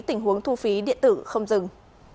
tình huống thu phí điện tử không dừng